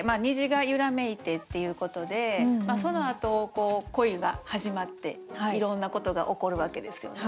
虹が揺らめいてっていうことでそのあとこう恋が始まっていろんなことが起こるわけですよね。